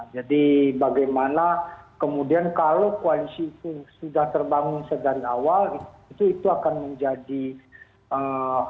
jadi bagaimana kemudian kalau koalisi itu sudah terbangun sedari awal itu akan menjadi hal yang bergantung